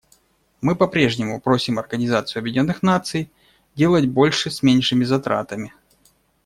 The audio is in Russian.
Мы по-прежнему просим Организацию Объединенных Наций делать больше с меньшими затратами.